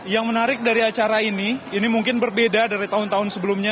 yang menarik dari acara ini ini mungkin berbeda dari tahun tahun sebelumnya